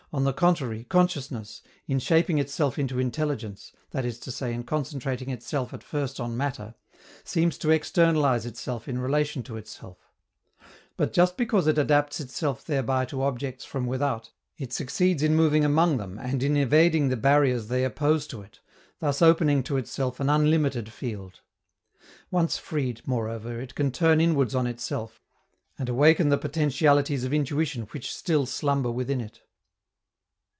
On the contrary, consciousness, in shaping itself into intelligence, that is to say in concentrating itself at first on matter, seems to externalize itself in relation to itself; but, just because it adapts itself thereby to objects from without, it succeeds in moving among them and in evading the barriers they oppose to it, thus opening to itself an unlimited field. Once freed, moreover, it can turn inwards on itself, and awaken the potentialities of intuition which still slumber within it.